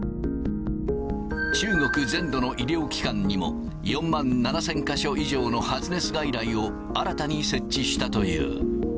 中国全土の医療機関にも、４万７０００か所以上の発熱外来を新たに設置したという。